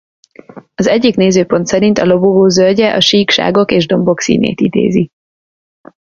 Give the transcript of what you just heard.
Az egyik nézőpont szerint a lobogó zöldje a síkságok és dombok színét idézi.